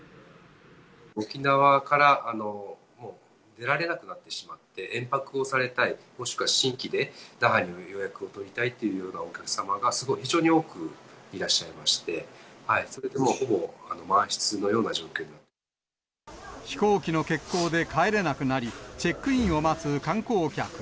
沖縄から出られなくなってしまって、延泊をされたい、もしくは新規で那覇に予約を取りたいっていうようなお客様がすごい、非常に多くいらっしゃいまして、それでもう、飛行機の欠航で帰れなくなり、チェックインを待つ観光客。